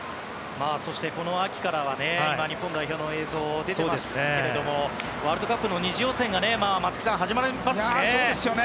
そして、この秋からは今、日本代表の映像が出ていますけれどもワールドカップの２次予選が始まりますね。